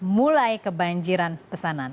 mulai kebanjiran pesanan